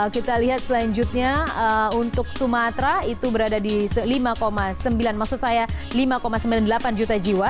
kita lihat selanjutnya untuk sumatera itu berada di lima sembilan puluh delapan juta jiwa